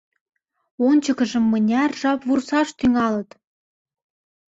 Ончыкыжым мыняр жап вурсаш тӱҥалыт?